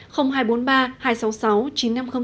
xin kính chào và hẹn gặp lại